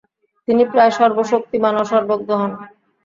তিনি প্রায় সর্বশক্তিমান ও সর্বজ্ঞ হন।